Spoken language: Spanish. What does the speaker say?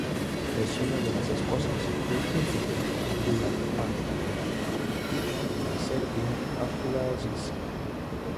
Es una de las esposas del príncipe Abdulrahman, hijo de Nasser bin Abdulaziz.